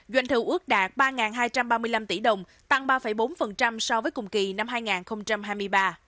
doanh thu ước đạt ba hai trăm ba mươi năm tỷ đồng tăng ba bốn so với cùng kỳ năm hai nghìn hai mươi ba